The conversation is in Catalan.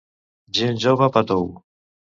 Gent jove, pa tou...